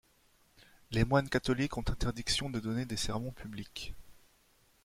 Les moines catholiques ont interdiction de donner des sermons publics.